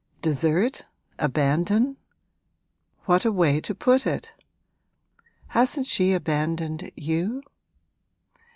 'Desert abandon? What a way to put it! Hasn't she abandoned you?'